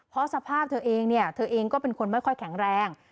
เพราะสภาพเธอเองเนี่ยเธอเองก็เป็นคนไม่ค่อยแข็งแรง